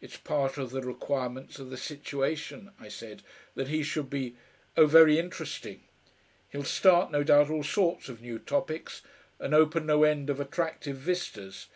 "It's part of the requirements of the situation," I said, "that he should be oh, very interesting! He'll start, no doubt, all sorts of new topics, and open no end of attractive vistas....